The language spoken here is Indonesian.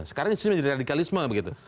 sekarang ini sudah menjadi radikalisme